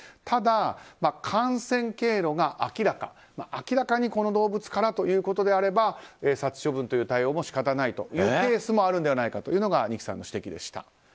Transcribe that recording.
ただ、感染経路が明らかで明らかにこの動物からということであれば殺処分という対応も仕方ないケースもあるのではないかというのが二木さんの指摘でした。